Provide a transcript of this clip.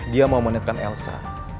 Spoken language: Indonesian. dia mau menetekan elsa